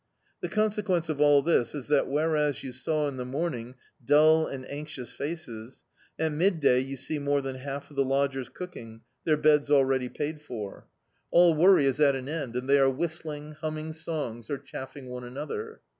The consequence of all this is that whereas you saw in the morning dull and anx ious faces, at midday you see more than half of the lodgers cooking, their beds already paid for. All D,i.,.db, Google Rain and Poverty worry is at an end, and they are whistling, h umming songs, or chaffing one another.